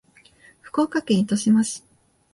福岡県糸島市